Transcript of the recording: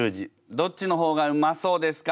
どっちの方がうまそうですか？